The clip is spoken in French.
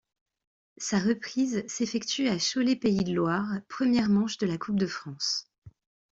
Sa reprise s'effectue à Cholet-Pays de Loire, première manche de la coupe de France.